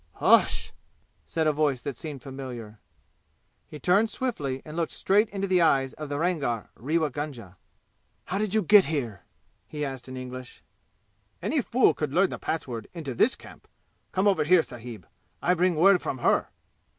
"Hush!" said a voice that seemed familiar. He turned swiftly and looked straight into the eyes of the Rangar Rewa Gunga! "How did you get here?" he asked in English. "Any fool could learn the password into this camp! Come over here, sahib. I bring word from her."